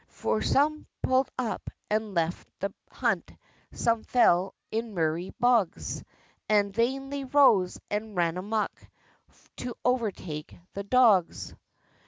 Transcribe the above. For some pulled up, and left the hunt, Some fell in miry bogs, And vainly rose and "ran a muck," To overtake the dogs.